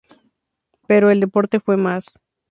Pero el deporte fue más.